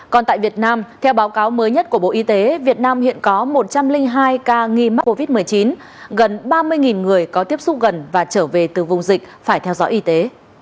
còn tại việt nam theo báo cáo mới nhất của bộ y tế việt nam hiện có một trăm linh hai ca nghi mắc covid một mươi chín gần ba mươi người có tiếp xúc gần và trở về từ vùng dịch phải theo dõi y tế